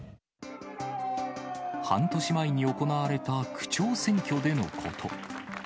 半年前に行われた区長選挙でのこと。